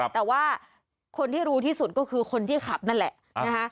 แต่ว่าคนที่รู้ที่สุดก็คือคนที่ขับนั่นแหละนะคะ